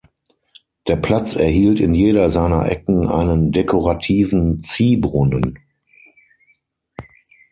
Der Platz erhielt in jeder seiner Ecken einen dekorativen Ziehbrunnen.